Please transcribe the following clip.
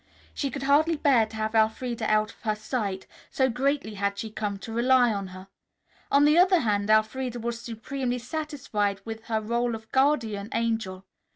She could hardly bear to have Elfreda out of her sight, so greatly had she come to rely on her. On the other hand, Elfreda was supremely satisfied with her rôle of guardian angel.